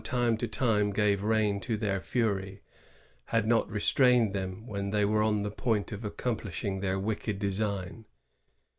[1668, time to time gave rein to their faiy , had not restrained them when they were on the point of accomplishing their wicked design.